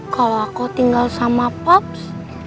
kalau aku tinggal sama pops